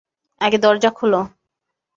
আগে দরজা খুলো।